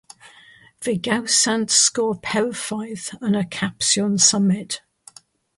Fe gawsant Sgôr Perffaith yn y Capsiwn Symud.